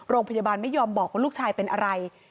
โรงพยาบาลไม่ยอมบอกว่าลูกชายเป็นอะไร